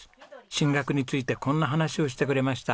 進学についてこんな話をしてくれました。